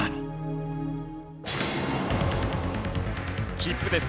切符です。